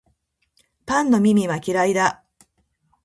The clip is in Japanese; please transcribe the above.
パンの耳は嫌いだ